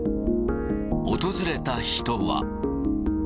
訪れた人は。